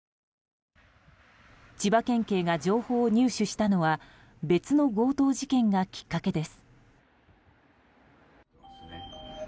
千葉県警が情報を入手したのは別の強盗事件がきっかけです。